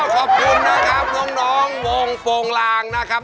ขอบคุณนะครับน้องวงโปรงลางนะครับ